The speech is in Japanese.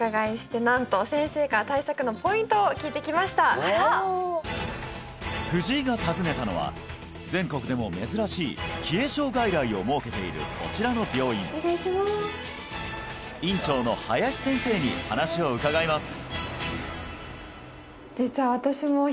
私藤井が訪ねたのは全国でも珍しい冷え症外来を設けているこちらの病院院長の林先生に話を伺います